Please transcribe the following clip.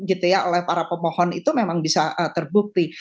oleh para pemohon itu memang bisa terbukti